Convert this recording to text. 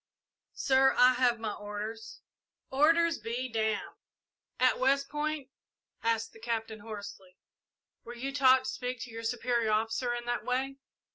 "Sir, I have my orders." "Orders be damned!" "At West Point," asked the Captain, hoarsely, "were you taught to speak to your superior officer in that way?"